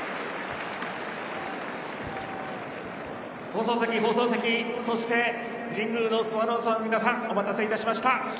放送席、放送席そして神宮のスワローズファンの皆さんお待たせいたしました。